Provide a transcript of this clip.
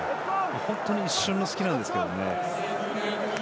本当に一瞬の隙なんですけど。